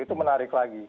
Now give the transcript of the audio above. itu menarik lagi